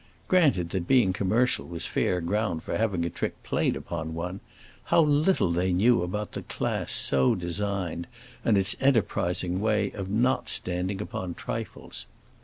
Granted that being commercial was fair ground for having a trick played upon one, how little they knew about the class so designed and its enterprising way of not standing upon trifles!